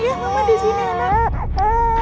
iya mama disini anak